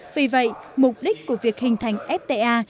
vì vậy mục đích của việc hình thành fta